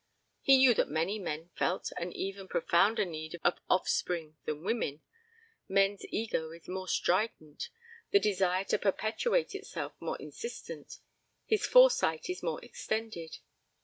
He knew that many men felt an even profounder need of offspring than women. Man's ego is more strident, the desire to perpetuate itself more insistent, his foresight is more extended.